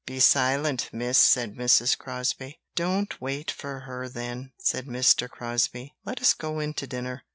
"Be silent, miss," said Mrs. Crosbie. "Don't wait for her, then," said Mr. Crosbie; "let us go in to dinner.